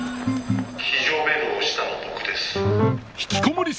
非常ベル押したの僕です。